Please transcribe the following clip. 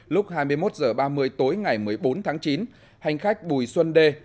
lúc hai mươi một h ba mươi tối ngày một mươi bốn tháng chín hành khách bùi xuân đê